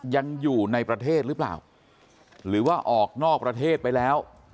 ยังอยู่ในประเทศหรือเปล่าหรือว่าออกนอกประเทศไปแล้ว